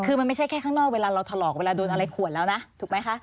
คือมันไม่ใช่แค่ข้างนอกเวลาเราถลอกเวลาโดนอะไรขวดแล้วนะถูกไหมคะ